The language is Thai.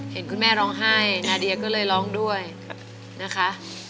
เห็นคุณแม่ร้องไห้นาเดียก็เลยร้องด้วยนะคะ